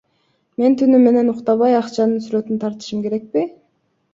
Мен түнү менен уктабай акчанын сүрөтүн тартышым керекпи?